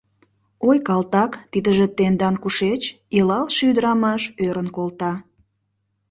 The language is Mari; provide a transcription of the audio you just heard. — Ой, калтак, тидыже тендан кушеч? — илалше ӱдырамаш ӧрын колта.